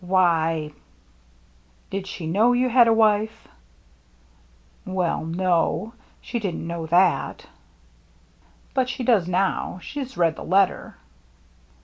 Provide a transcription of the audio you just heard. "Why —"" Did she know you had a wife ?"" Well, no, — she didn't know that." " But she does now. She has read the letter."